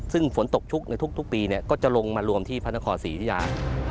ซึ่งฝนตกชุกในทุกปีก็จะลงมารวมที่พระนครศรีอุทยา